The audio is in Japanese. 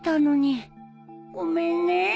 ごめんね